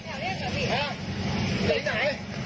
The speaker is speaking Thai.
ห้าแหละอยู่ไปไหน